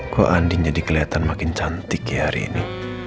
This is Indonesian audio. kok anding jadi keliatan makin cantik ya hari ini